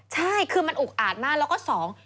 ทีนี้คือมันอุกอาดมาแล้วก็สอง